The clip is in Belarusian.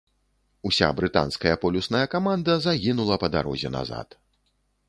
Уся брытанская полюсная каманда загінула па дарозе назад.